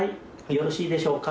よろしいでしょうか？